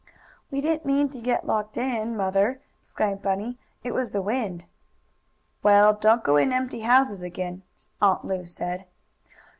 "We didn't mean to get locked in. Mother," explained Bunny. "It was the wind." "Well, don't go in empty houses again," Aunt Lu said.